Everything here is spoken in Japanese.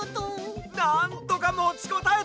なんとかもちこたえた！